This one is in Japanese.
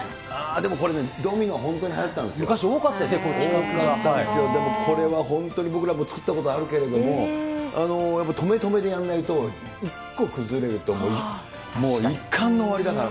でもこれね、ドミノは本当に昔、多かったですよね、これは本当に僕らも作ったことあるけれども、やっぱり止め止めでやんないと、１個崩れると、もう終わりだから。